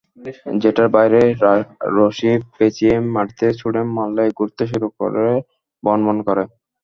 যেটার বাইরে রশি পেঁচিয়ে মাটিতে ছুড়ে মারলেই ঘুরতে শুরু করে বনবন করে।